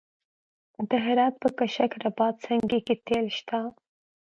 د هرات په کشک رباط سنګي کې تیل شته.